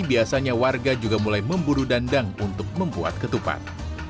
biasanya warga juga mulai memburu dandang untuk membuat ketupat